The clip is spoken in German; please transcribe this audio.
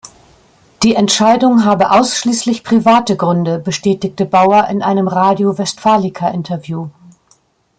Die Entscheidung habe ausschließlich private Gründe, bestätigte Baur in einem Radio Westfalica-Interview.